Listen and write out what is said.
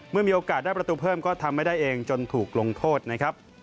เมื่อมีโอกาสได้ประตูเพิ่มก็ทำไม่ได้เองจนถูกลงโทษนะครับ